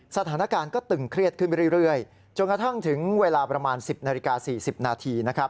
สถานการณ์ก็ตึงเครียดขึ้นไปเรื่อยจนกระทั่งถึงเวลาประมาณ๑๐นาฬิกา๔๐นาทีนะครับ